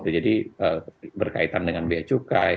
jadi berkaitan dengan biaya cukai